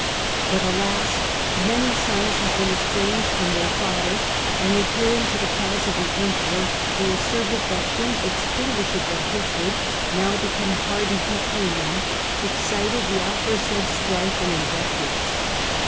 But alas ! many sons have become estranged from their father, and, adhering to the cause of the Emperor, they asserted that inextinguishable hatred, now become hardened between them, excited the aforesaid strife and invectives.